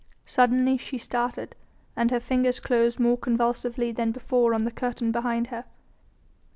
Suddenly she started, and her fingers closed more convulsively than before on the curtain behind her.